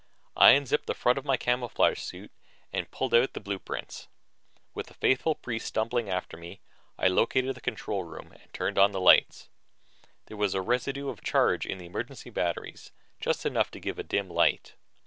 I unzipped the front of my camouflage suit and pulled out the blueprints. With the faithful priests stumbling after me, I located the control room and turned on the lights. There was a residue of charge in the emergency batteries, just enough to give a dim light.